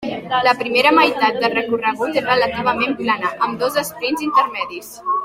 La primera meitat del recorregut és relativament plana, amb dos esprints intermedis.